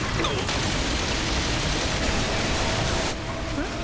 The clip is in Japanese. えっ？